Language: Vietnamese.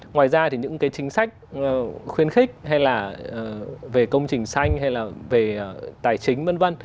ngoài ra thì những cái chính sách khuyến khích hay là về công trình xanh hay là về tài chính v v